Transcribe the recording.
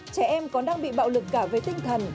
trẻ em còn đang bị bạo lực cả về tinh thần